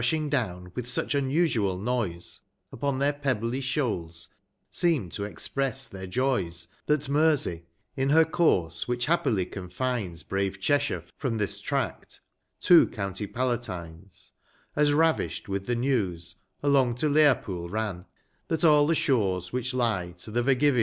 sliing down, with sucli unusual noise, Upon their pe)>bly slioals, seem'd to express tlieir joys. That Mersetj (in her course whicli liappily confines 5 lirave Che^shire from this tract, two County J'ahitincs) AsTavish'd with the news, along to Lerpooh ran, That all the bhores which lie to the Vcrgivian* • Tho Irish yoa.